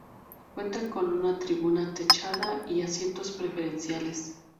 Cuenta con una tribuna techada y asientos preferenciales.